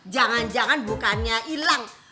jangan jangan bukannya ilang